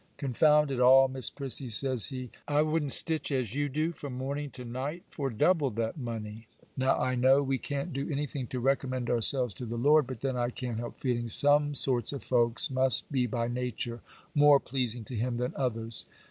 "Confound it all, Miss Prissy," says he, "I wouldn't stitch as you do from morning to night for double that money." Now I know we can't do anything to recommend ourselves to the Lord, but then I can't help feeling some sorts of folks must be by nature more pleasing to Him than others.